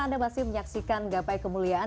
anda masih menyaksikan gapai kemuliaan